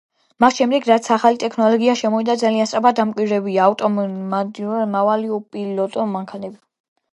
მას შემდეგ, რაც ახალი ტექნოლოგია შემოვა, ძალიან სწრაფად დამკვიდრდება ავტონომიურად მავალი, უპილოტო მანქანები.